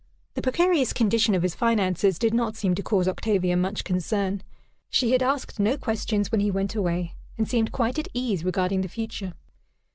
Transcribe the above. The precarious condition of his finances did not seem to cause Octavia much concern. She had asked no questions when he went away, and seemed quite at ease regarding the future.